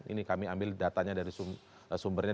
ini kami ambil datanya dari sumbernya